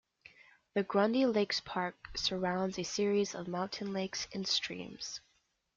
The Grundy Lakes Park surrounds a series of mountain lakes and streams.